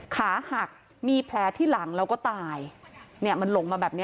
ขาหักมีแผลที่หลังแล้วก็ตายเนี่ยมันหลงมาแบบนี้